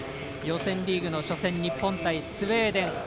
予選リーグ初戦日本対スウェーデン。